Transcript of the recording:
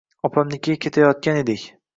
Opamnikiga ketayotgan edik.